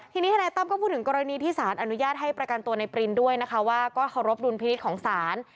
ทีนี้ทนายตั้มก็พูดถึงกรณีที่สารอนุญาตให้ประกันตัวในปรินด้วยนะคะว่าก็เคารพดุลพินิษฐ์ของศาล